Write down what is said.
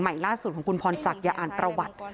ล่าสุดของคุณพรศักดิ์อย่าอ่านประวัติ